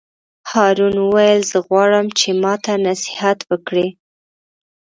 هارون وویل: زه غواړم چې ماته نصیحت وکړې.